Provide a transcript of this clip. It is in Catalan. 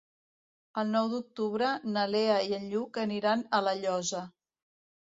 El nou d'octubre na Lea i en Lluc aniran a La Llosa.